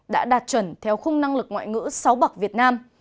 đã đạt chuẩn theo khung năng lực ngoại ngữ sáu bậc việt nam